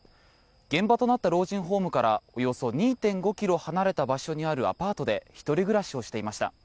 現場となった老人ホームからおよそ２．５ｋｍ離れた場所にあるアパートで１人暮らしをしていました。